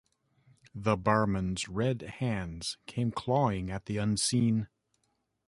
The barman's red hands came clawing at the unseen.